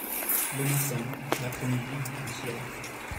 Le matin, l’après-midi, le soir.